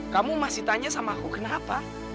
kamu masih tanya sama aku kenapa